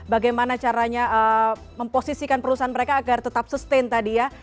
bagaimana caranya memposisikan perusahaan mereka agar tetap sustain tadi ya